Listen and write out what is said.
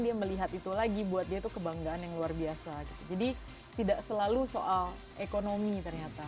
dia melihat itu lagi buat dia itu kebanggaan yang luar biasa jadi tidak selalu soal ekonomi ternyata